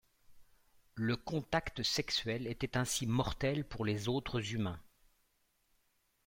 Le contact sexuel était ainsi mortel pour les autres humains.